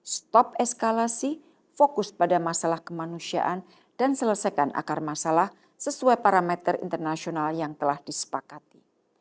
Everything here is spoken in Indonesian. stop eskalasi fokus pada masalah kemanusiaan dan selesaikan akar masalah sesuai parameter internasional yang telah disepakati